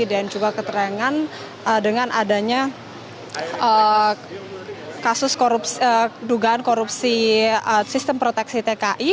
dan juga keterangan dengan adanya kasus dugaan korupsi sistem proteksi tki